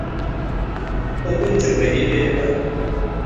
Hukuncin bai yi dai dai ba.